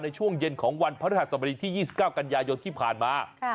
ในช่วงเย็นของวันพระฤหัสบดีที่๒๙กันยายนที่ผ่านมา